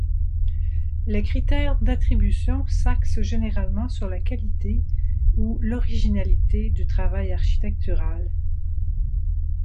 Les critères d'attribution s'axent généralement sur la qualité ou l'originalité du travail architectural.